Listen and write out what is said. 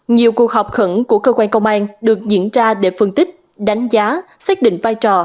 nhiều cuộc họp khẩn của cơ quan công an được diễn ra để phân tích đánh giá xác định vai trò